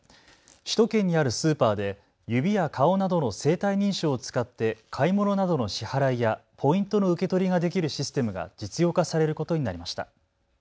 首都圏にあるスーパーで指や顔などの生体認証を使って買い物などの支払いやポイントの受け取りができるシステムが実用化されることになりました。